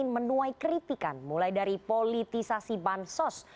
menuai kritikan mulai dari politisasi bansos